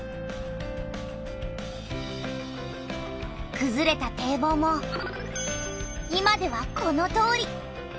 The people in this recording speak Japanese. くずれた堤防も今ではこのとおり。